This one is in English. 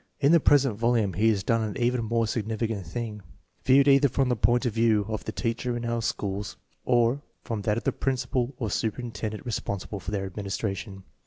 In the present volume he has done an even more significant thing, viewed either from the point of view of the teacher in EDITOR'S INTRODUCTION k our schools or from that of the principal or superintend ent responsible for their administration.